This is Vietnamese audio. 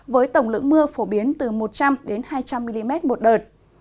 với tổng lượng mưa phổ biến từ một trăm linh hai trăm linh mm một đợt